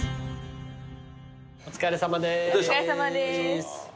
お疲れさまです。